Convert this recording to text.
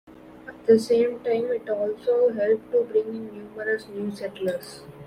At the same time it also helped to bring in numerous new settlers.